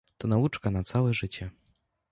"To nauczka na całe życie."